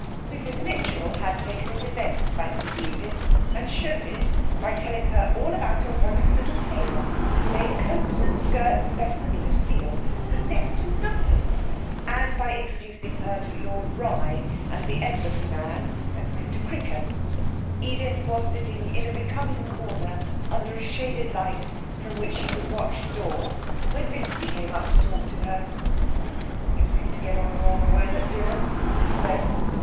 Mrs Mitchell had taken an immense fancy to Edith and showed it by telling her all about a wonderful little tailor who made coats and skirts better than Lucile for next to nothing, and by introducing to her Lord Rye and the embassy man, and Mr Cricker. Edith was sitting in a becoming corner under a shaded light from which she could watch the door, when Vincy came up to talk to her. 'You seemed to get on rather well at dinner,' he said.